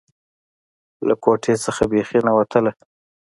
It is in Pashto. له کوټې څخه بيخي نه وتله.